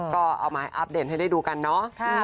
ก็เอามาอัปเดตให้ได้ดูกันเนาะ